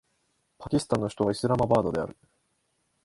パキスタンの首都はイスラマバードである